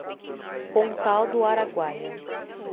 Pontal do Araguaia